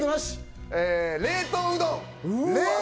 冷凍うどん！